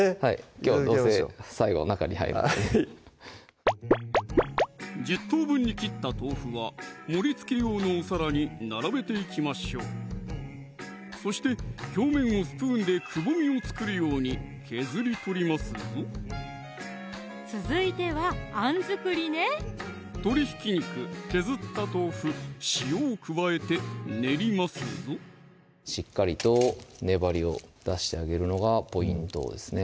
きょうはどうせ最後中に入るので１０等分に切った豆腐は盛りつけ用のお皿に並べていきましょうそして表面をスプーンでくぼみを作るように削り取りますぞ続いてはあん作りね鶏ひき肉・削った豆腐・塩を加えて練りますぞしっかりと粘りを出してあげるのがポイントですね